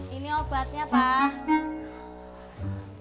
ini obatnya pak